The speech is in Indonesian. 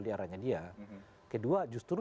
di arahnya dia kedua justru